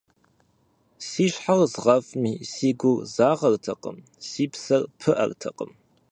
Си щхьэр згъэфӀми, си гур загъэртэкъым, си псэр пыӀэртэкъым.